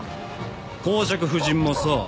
侯爵夫人もそう。